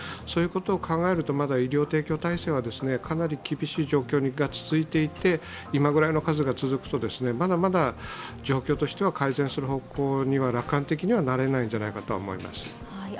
そういうことを考えるとまだ医療提供体制はかなり厳しい状況が続いていて今ぐらいの数が続くとまだまだ状況としては改善する方向には楽観的にはなれないんじゃないかと思います。